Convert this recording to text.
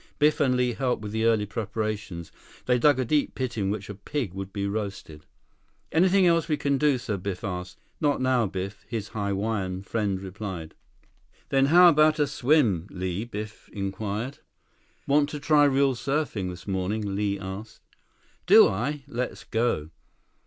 Biff and Li helped with the early preparations. They dug a deep pit in which a pig would be roasted. "Anything else we can do, sir?" Biff asked. "Not now, Biff," his Hawaiian friend replied. "Then how about a swim, Li?" Biff inquired. "Want to try real surfing this morning?" Li asked. 53 "Do I! Let's go."